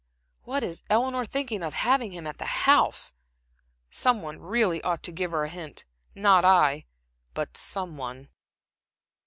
What is Eleanor thinking of to have him at the house? Some one really ought to give her a hint not I; but some one."